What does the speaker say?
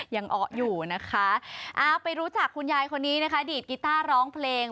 อ้ออยู่นะคะเอาไปรู้จักคุณยายคนนี้นะคะดีดกีต้าร้องเพลง